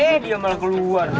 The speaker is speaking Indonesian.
eh dia malah keluar